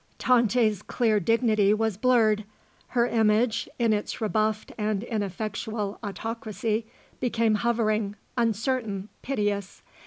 Tante's clear dignity was blurred; her image, in its rebuffed and ineffectual autocracy, became hovering, uncertain, piteous.